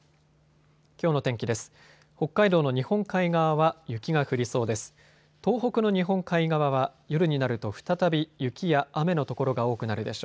きょうの天気です。